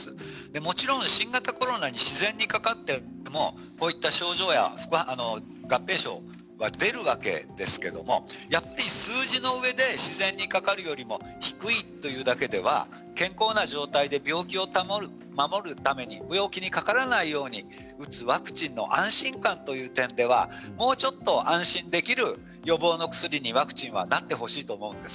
もちろん新型コロナに自然にかかっていてもこういった症状は副反応合併症は出るわけですが数字の上で自然にかかるよりも低いというだけでは健康な状態で病気から守るために病気にかからないように打つワクチンの安心感という点ではもう少し安心できる予防の薬にワクチンはなってほしいと思います。